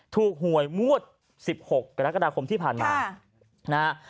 ถูกหวยมวด๑๖กรกฎาคมที่ผ่านมา